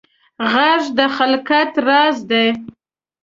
غږ د خلقت راز دی